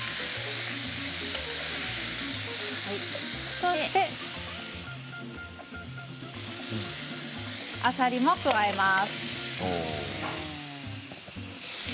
そして、あさりも加えます。